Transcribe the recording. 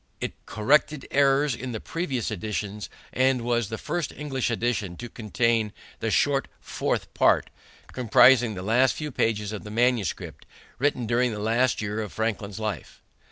It corrected errors in the previous editions and was the first English edition to contain the short fourth part, comprising the last few pages of the manuscript, written during the last year of Franklin's life.